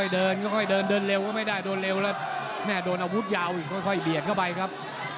โดนเร็วแล้วแม่โดนอาวุธยาวอีกค่อยเบียดเข้าไปครับ